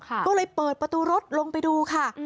ก็เลยเปิดประตูรถลงไปดูค่ะ